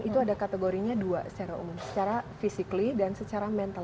itu ada kategorinya dua secara umum secara fisik dan secara mental